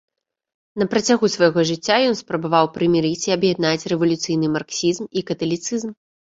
На працягу свайго жыцця ён спрабаваў прымірыць і аб'яднаць рэвалюцыйны марксізм і каталіцызм.